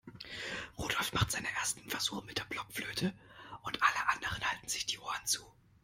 Rudolf macht seine ersten Versuche mit der Blockflöte und alle anderen halten sich die Ohren zu.